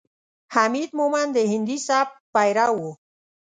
حمید مومند د هندي سبک پیرو ؤ.